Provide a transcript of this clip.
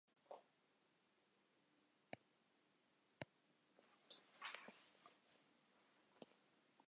De bern makken op it strân sântaartsjes.